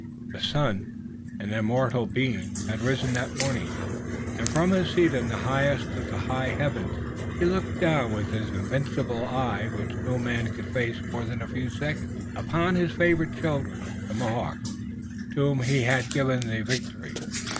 The sun, an immortal being, had risen that morning and from his seat in the highest of the high heavens he had looked down with his invincible eye which no man could face more than a few seconds, upon his favorite children, the Mohawks, to whom he had given the victory.